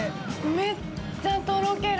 めっちゃとろける。